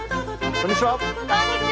こんにちは！